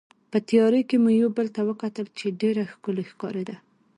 په تیارې کې مو یو بل ته وکتل چې ډېره ښکلې ښکارېده.